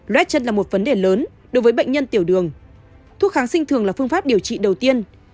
brexit là một vấn đề lớn đối với bệnh nhân tiểu đường thuốc kháng sinh thường là phương pháp điều trị đầu tiên